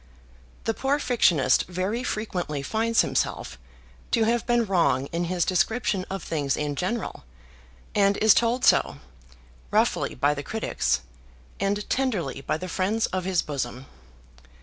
The poor fictionist very frequently finds himself to have been wrong in his description of things in general, and is told so, roughly by the critics, and tenderly by the friends of his bosom.